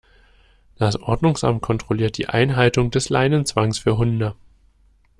Das Ordnungsamt kontrolliert die Einhaltung des Leinenzwangs für Hunde.